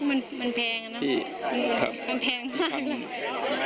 มันแพงนะมันแพงมาก